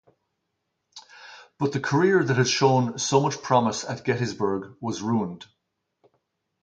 But the career that had shown so much promise at Gettysburg was ruined.